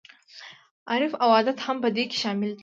عرف او عادت هم په دې کې شامل دي.